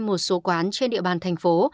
một số quán trên địa bàn thành phố